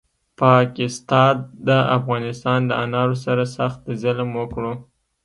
پاکستاد د افغانستان دانارو سره سخت ظلم وکړو